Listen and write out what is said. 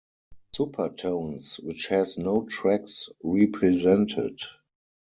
Supertones, which has no tracks represented.